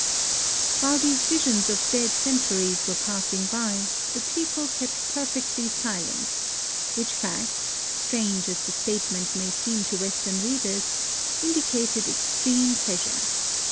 While these visions of dead centuries were passing by, the people kept perfectly silent, — which fact, strange as the statement may seem to Western readers, indicated extreme pleas ure.